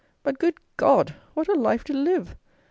But, good God! what a life to live!